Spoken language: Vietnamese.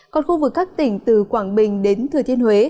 còn khu vực các tỉnh từ quảng bình đến thừa thiên huế